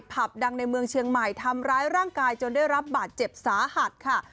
ผับดังในเมืองเชียงใหม่ทำร้ายร่างกายจนได้รับบาดเจ็บสาหัสค่ะ